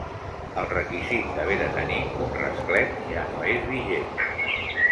El requisit d'haver de tenir un rasclet ja no és vigent.